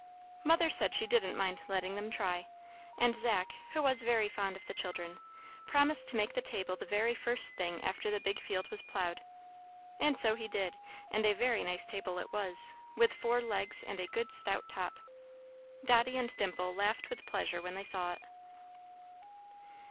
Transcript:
Mother said she didn't mind letting them try; and Zach, who was very fond of the children, promised to make the table the very first thing after the big field was ploughed. And so he did; and a very nice table it was, with four legs and a good stout top. Dotty and Dimple laughed with pleasure when they saw it.